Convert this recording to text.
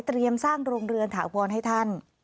เตรียมสร้างโรงเรือนขอผ่อนให้ท่าน